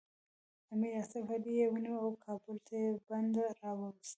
میر آصف علي یې ونیو او کابل ته یې بندي راووست.